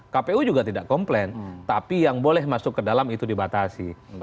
kpu juga tidak komplain tapi yang boleh masuk ke dalam itu dibatasi